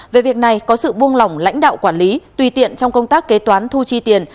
về việc này có sự buông lỏng lãnh đạo quản lý tùy tiện trong công tác kế toán thu chi tiền